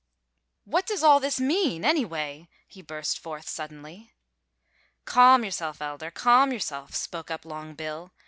"What does all this mean, anyway?" he burst forth, suddenly. "Calm yourself, elder! Calm yourself," spoke up Long Bill.